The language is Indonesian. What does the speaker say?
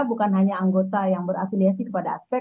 bukan hanya anggota yang berafiliasi kepada aspek